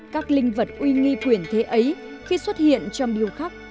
các linh vật uy nghi quyển thế ấy khi xuất hiện trong điêu khắc